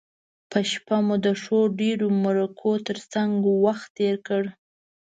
په شپه مو د ښو ډیرو مرکو تر څنګه وخت تیر کړ.